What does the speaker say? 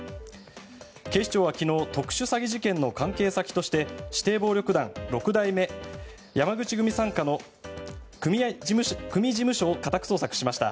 警視庁は昨日特殊詐欺事件の関係先として指定暴力団六代目山口組傘下の組事務所を家宅捜索しました。